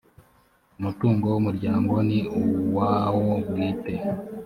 umutungo w‘umuryango ni uwawo bwite